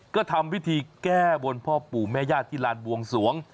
ก็ทำพิธีแก้บนพ่อปู่แม่ญาติที่ลานบวงสวง